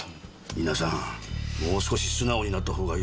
皆さんもう少し素直になった方がよろしいですねえ。